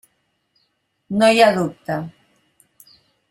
No hi ha dubte.